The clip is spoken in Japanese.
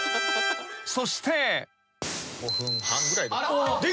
［そして］５分半ぐらいで。